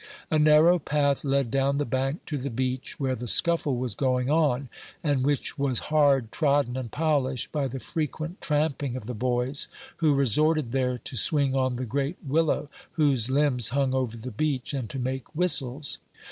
A narrow path led down the bank to the beach, where the scuffle was going on, and which was hard trodden and polished by the frequent tramping of the boys, who resorted there to swing on the great willow, whose limbs hung over the beach, and to make whistles.